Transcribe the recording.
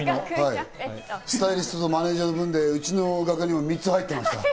スタイリストとマネジャーの分で、うちの中には３つ入ってました。